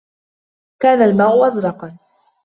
كان الماء ازرقا